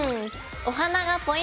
お花がポイント！